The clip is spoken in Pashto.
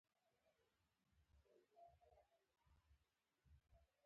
ستاسو د راتلو په انتظار دي.